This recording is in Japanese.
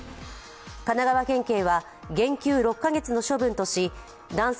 神奈川県警は減給６か月の処分とし男性